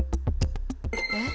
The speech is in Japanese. えっ？